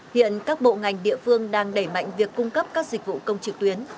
hiện các bộ ngành địa phương đang đẩy mạnh việc cung cấp các dịch vụ công trực tuyến